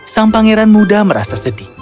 sang pangeran muda merasa sedih